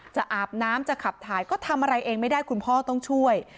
อาบน้ำจะขับถ่ายก็ทำอะไรเองไม่ได้คุณพ่อต้องช่วย